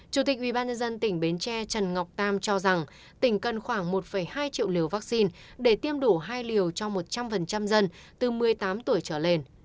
chủ tịch ubnd tỉnh bến tre trần ngọc tam cho rằng tỉnh cần khoảng một hai triệu liều vaccine để tiêm đủ hai liều cho một trăm linh dân từ một mươi tám tuổi trở lên